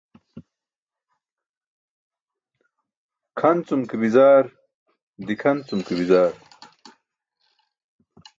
Kʰan cum ke bi̇zaar, dikʰan cum ke bi̇zaar.